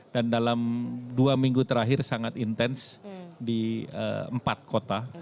dan dalam dua minggu terakhir sangat intens di empat kota